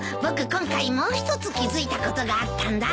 今回もう一つ気付いたことがあったんだ。